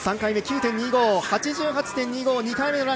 ３回目９．２５、８８．２５。